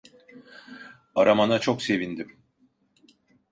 Aramana çok sevindim.